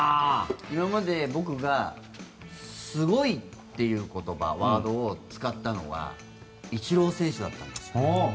今まで僕がすごいという言葉、ワードを使ったのはイチロー選手だったんですよ。